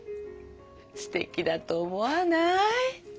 すてきだと思わない？